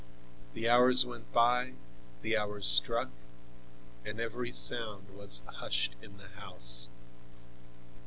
The hours went by, the hours struck, and every sound was hushed in the house.